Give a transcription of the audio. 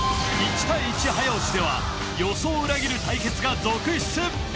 １対１早押しでは予想を裏切る対決が続出！